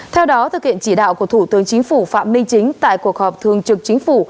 theo đó thực hiện chỉ đạo của thủ tướng chính phủ phạm minh chính tại cuộc họp thường trực chính phủ